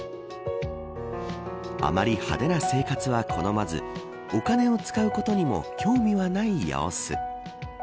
あまり派手な生活は好まずお金を使うことにも興味はない様子。